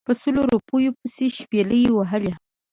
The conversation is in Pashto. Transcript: په سلو روپیو پسې شپلۍ وهلې.